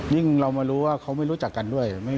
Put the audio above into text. เรามารู้ว่าเขาไม่รู้จักกันด้วย